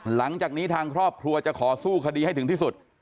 หลังจากนี้ทางครอบครัวจะขอสู้คดีให้ถึงที่สุด